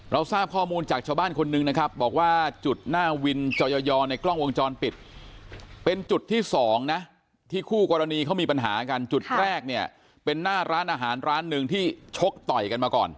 เราทราบข้อมูลจากชาวบ้านคนหนึ่งนะครับบอกว่าจุดหน้าวินจอยอในกล้องวงจรปิดเป็นจุดที่สองนะที่คู่กรณีเขามีปัญหากันจุดแรกเนี่ยเป็นหน้าร้านอาหารร้านหนึ่งที่ชกต่อยกันมาก่อน